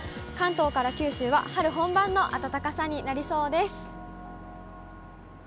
関東から九州は春本番の暖かさになりそうです。